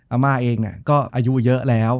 อาม่าเองก็อายุเยอะแล้ว